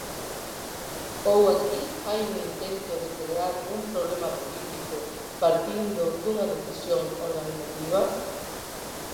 ¿Ou aquí hai un intento de crear un problema político partindo dunha decisión organizativa?